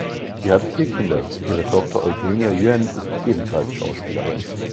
Sie hat vier Kinder; ihre Tochter Eugenia Yuan ist ebenfalls Schauspielerin.